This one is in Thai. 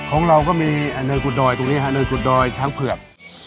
ของเราก็มีเนินสุดดอยตรงนี้ฮะเนินสุดดอยช้างเผือก